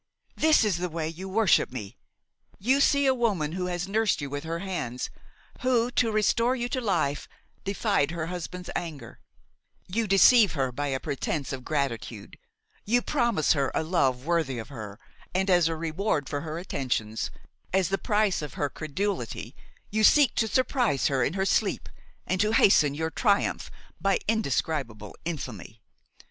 This is the way you worship me! You see a woman who has nursed you with her hands, who, to restore you to life, defied her husband's anger; you deceive her by a pretence of gratitude, you promise her a love worthy of her, and as a reward for her attentions, as the price of her credulity, you seek to surprise her in her sleep and to hasten your triumph by indescribable infamy!